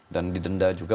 dan didenda juga